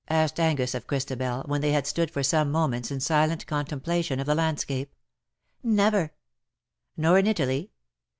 asked Angus of Christabelj when they had stood for some moments in silent contemplation of the landscape. " Never/' ^' Nor in Italy